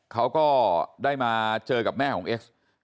เขาก็ได้มาเจอกับแม่ของเอ็กซ์